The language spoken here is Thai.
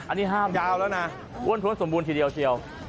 อันนี้ห้ามยาวแล้วนะอ้วนท้วนสมบูรณ์ทีเดียวเชียว